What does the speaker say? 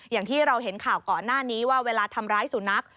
อย่างที่เราเห็นข่าวก่อนหน้านี้ว่าเวลาทำร้ายสุนัข